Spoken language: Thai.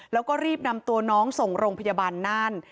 แล้วก็รีบนำตัวน้องส่งโรงพยาบาลน่าน